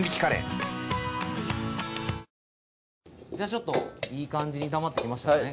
ちょっといい感じに炒まってきましたね